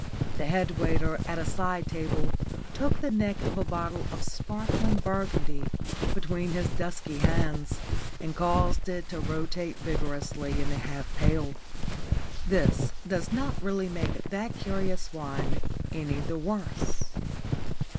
The head waiter, at a side table, took the neck of a bottle of sparkling burgundy between his dusky hands and caused it to rotate vigorously in the ice pail. This does not really make that curious wine any the worse.